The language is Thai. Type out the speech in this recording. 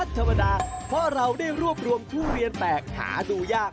เพราะเราได้รวบรวมทุเรียนแปลกหาดูยาก